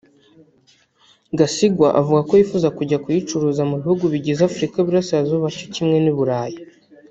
Gasigwa avuga ko yifuza kujya kuyicuruza mu bihugu bigize Afurika y’Uburasirazuba cyo kimwe n’i Burayi